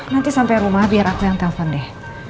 nanti sampai rumah biar aku yang telpon deh